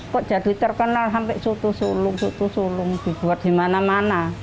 kok jadi terkenal sampai soto sulung soto sulung dibuat di mana mana